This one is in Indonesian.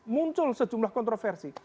muncul sejumlah kontroversi